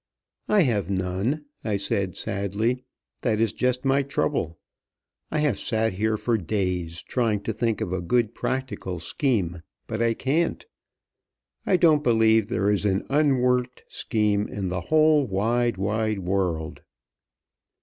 "I have none," I said sadly. "That is just my trouble. I have sat here for days trying to think of a good, practical scheme, but I can't. I don't believe there is an unworked scheme in the whole wide, wide world."